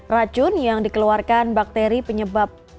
racun yang dikeluarkan bakteri penyebab